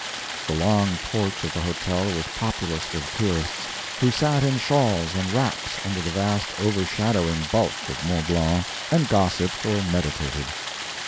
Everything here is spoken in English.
The long porch of the hotel was populous with tourists, who sat in shawls and wraps under the vast overshadowing bulk of Mont Blanc, and gossiped or meditated.